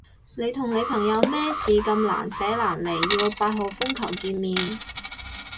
你同你朋友咩事咁難捨難離要八號風球見面？